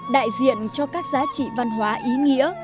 đại diện cho các giá trị văn hóa ý nghĩa